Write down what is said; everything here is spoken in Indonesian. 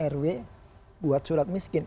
rw buat surat miskin